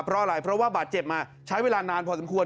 เพราะอะไรเพราะว่าบาดเจ็บมาใช้เวลานานพอสมควร